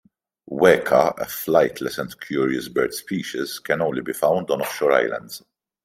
Weka, a flightless and curious bird species, can only be found on offshore islands.